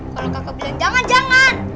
kalau kakak bilang jangan jangan